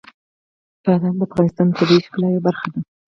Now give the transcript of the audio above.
بادام د افغانستان د طبیعت د ښکلا یوه برخه ده.